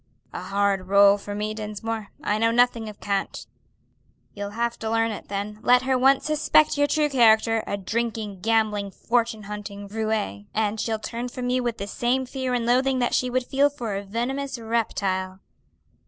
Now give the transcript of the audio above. "A hard rôle for me, Dinsmore. I know nothing of cant." "You'll have to learn it then; let her once suspect your true character a drinking, gambling, fortune hunting roué and she'll turn from you with the same fear and loathing that she would feel for a venomous reptile."